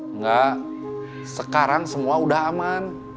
enggak sekarang semua udah aman